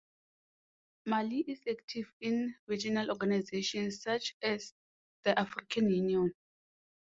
Mali is active in regional organizations such as the African Union.